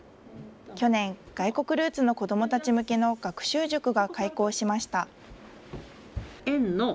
去年、外国ルーツの子どもたち向けの学習塾が開講しました。